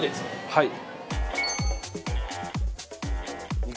はい。